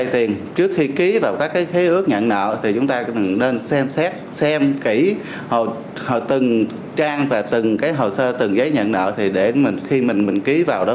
xem kỹ từng trang và từng hồ sơ từng giấy nhận nợ để khi mình ký vào đó